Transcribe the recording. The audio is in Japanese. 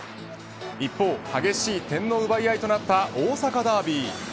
一方、激しい点の奪い合いとなった大阪ダービー。